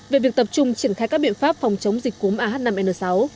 về việc tập trung triển khai các biện pháp phòng chống dịch cúm a h năm n sáu